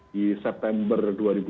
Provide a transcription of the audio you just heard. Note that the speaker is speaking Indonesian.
di september dua ribu dua puluh